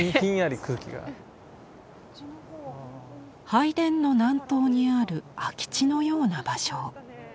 拝殿の南東にある空き地のような場所。